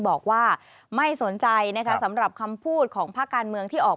บอกว่าไม่สนใจนะคะสำหรับคำพูดของภาคการเมืองที่ออก